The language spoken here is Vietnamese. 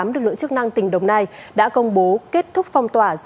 lực lượng chức năng tỉnh đồng nai đã công bố kết thúc phong tỏa